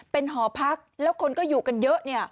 เป็นหอพักแล้วคนก็อยู่กันเยอะเนี่ย